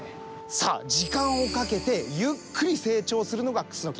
さあ時間をかけてゆっくり成長するのがクスノキ。